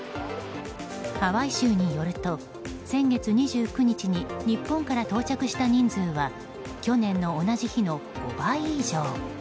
ハワイ州によると先月２９日に日本から到着した人数は去年の同じ日の５倍以上。